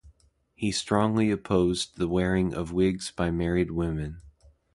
He strongly opposed the wearing of wigs by married women.